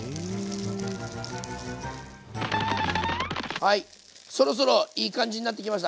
はいそろそろいい感じになってきました。